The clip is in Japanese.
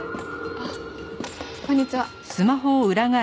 あっこんにちは。